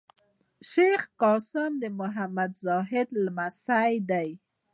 شېخ قاسم د محمد زاهد لمسی دﺉ.